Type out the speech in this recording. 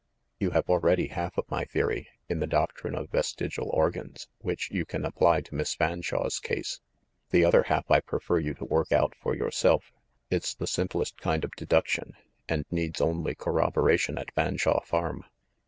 You have already half of my theory, in the doctrine of 'vestigial organs', which you can apply to Miss Fan shawe's case. The other half I prefer you to work out for yourself. It's the simplest kind of deduction, and needs only corroboration at Fanshawe Farm.